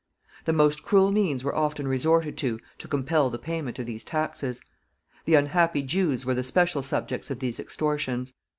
The most cruel means were often resorted to to compel the payment of these taxes. The unhappy Jews were the special subjects of these extortions.